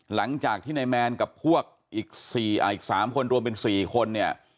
หลังจากที่ในแมนกับพวกอีกสี่อ่าอีกสามคนรวมเป็นสี่คนเนี่ย